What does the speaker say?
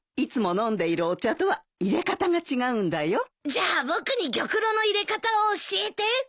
じゃあ僕に玉露の入れ方を教えて。